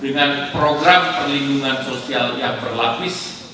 dengan program perlindungan sosial yang berlapis